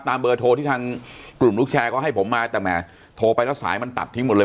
เบอร์โทรที่ทางกลุ่มลูกแชร์เขาให้ผมมาแต่แหมโทรไปแล้วสายมันตัดทิ้งหมดเลย